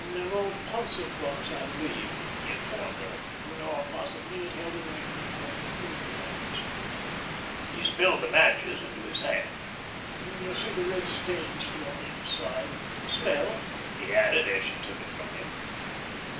"An old pouncet box, I believe," he informed her, "or possibly it held an ointment for her finger nails." He spilled the matches into his hand. "You see the red stain still on the inside; and smell," he added, as she took it from him.